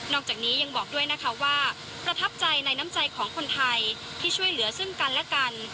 อกจากนี้ยังบอกด้วยนะคะว่าประทับใจในน้ำใจของคนไทยที่ช่วยเหลือซึ่งกันและกัน